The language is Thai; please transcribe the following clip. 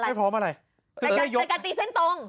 แต่การจัดการตีเส้นตรง